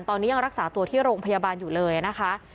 ตอนนี้ยังรักษาตัวที่โรงพยาบาลอยู่เลยนะคะ